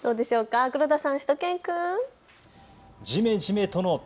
黒田さん、しゅと犬くん。